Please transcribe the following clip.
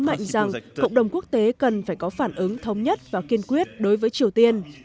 nhấn mạnh rằng cộng đồng quốc tế cần phải có phản ứng thống nhất và kiên quyết đối với triều tiên